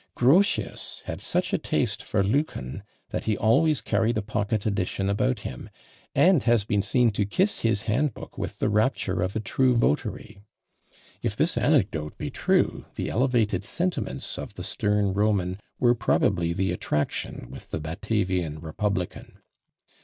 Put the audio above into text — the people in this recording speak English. Grotius had such a taste for Lucan, that he always carried a pocket edition about him, and has been seen to kiss his hand book with the rapture of a true votary. If this anecdote be true, the elevated sentiments of the stern Roman were probably the attraction with the Batavian republican.